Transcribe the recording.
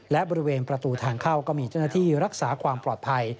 และบริเวณประตูทางเข้าก็มีเจ้าหน้าที่รักษาความปลอดภัย